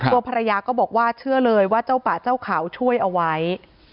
ตัวภรรยาก็บอกว่าเชื่อเลยว่าเจ้าป่าเจ้าเขาช่วยเอาไว้